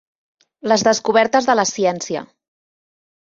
Les descobertes de la ciència.